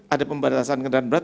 ada pembatasan kendaraan berat